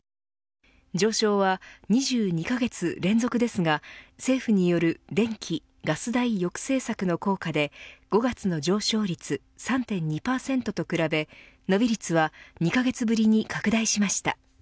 上昇は２２カ月連続ですが政府による電気ガス代抑制策の効果で５月の上昇率３．２％と比べ伸び率は２カ月ぶりに拡大しました。